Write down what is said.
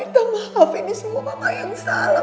minta maaf ini semua bapak yang salah